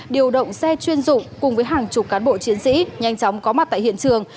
điều động xe chuyên dụng cùng với hàng chục cán bộ chiến sĩ nhanh chóng có mặt tại hiện trường